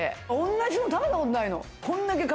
同じの食べたことないの。